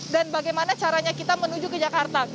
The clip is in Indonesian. dan bagaimana caranya kita menuju ke jakarta